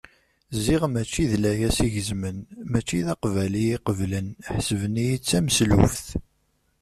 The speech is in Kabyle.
Ziɣ mačči d layas i gezmen, mačči d aqbal iyi-qeblen, ḥesben-iyi d tameslubt.